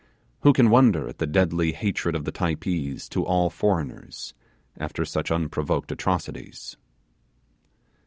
Who can wonder at the deadly hatred of the Typees to all foreigners after such unprovoked atrocities?